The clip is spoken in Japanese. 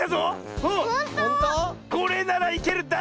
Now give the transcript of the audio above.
これならいける！